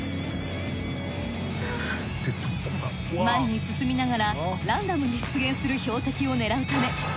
前に進みながらランダムに出現する標的を狙うため。